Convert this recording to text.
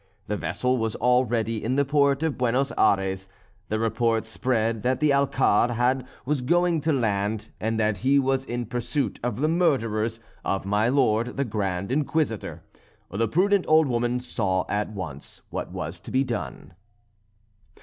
The vessel was already in the port of Buenos Ayres. The report spread that the Alcalde was going to land, and that he was in pursuit of the murderers of my lord the Grand Inquisitor. The prudent old woman saw at once what was to be done.